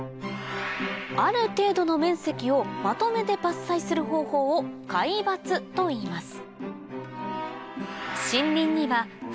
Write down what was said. ある程度の面積をまとめて伐採する方法を皆伐といいます